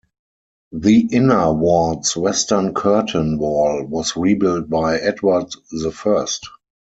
The inner ward's western curtain wall was rebuilt by Edward the First.